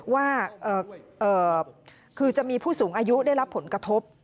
ว่าคือจะมีผู้สูงอายุได้รับผลกระทบ